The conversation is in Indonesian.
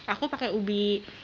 aku pakai ubi